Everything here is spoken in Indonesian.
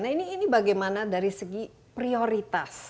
nah ini bagaimana dari segi prioritas